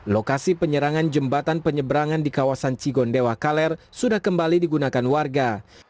lokasi penyerangan jembatan penyeberangan di kawasan cigondewa kaler sudah kembali digunakan warga